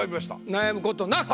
悩むことなく。